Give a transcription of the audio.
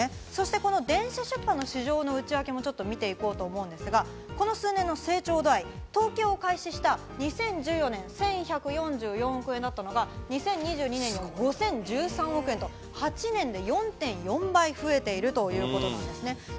そして、この電子出版の市場の内訳を見て行こうと思いますが、この数年の成長度合い、統計を開始した２０１４年は１１１４億円だったのが、２０２２年には５０１３億円と８年で４．４倍、増えているということなんですね。